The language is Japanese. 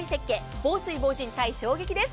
防水・防じん・耐衝撃です。